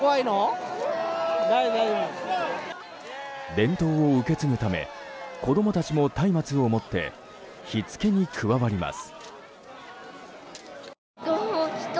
伝統を受け継ぐため子供たちもたいまつを持って火付けに加わります。